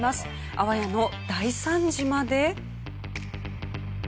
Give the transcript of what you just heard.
あわやの大惨事まで。